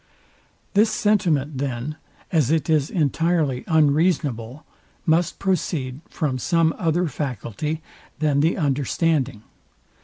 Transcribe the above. This sentiment, then, as it is entirely unreasonable, must proceed from some other faculty than the understanding.